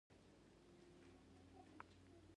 هلته په قدرت کې پاته شوي دي.